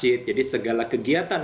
keagamaan kegiatan kegiatan kegiatan